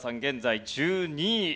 現在１２位。